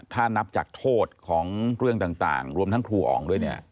ถ้านับจากโทษของเรื่องต่างรวมทั้งครูอ๋องด้วยเนี่ย